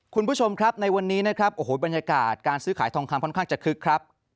คุณผู้ชมครับในวันนี้นะครับโอ้โหบรรยากาศการซื้อขายทองคำค่อนข้างจะคึกครับ